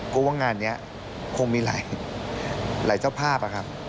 ว่างานนี้คงมีหลายเจ้าภาพอะครับ